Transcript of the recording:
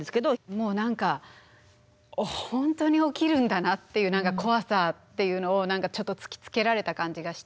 もう何か本当に起きるんだなっていう怖さっていうのを何かちょっと突きつけられた感じがして。